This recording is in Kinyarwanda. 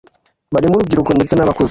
barimo urubyiruko ndetse n’abakuze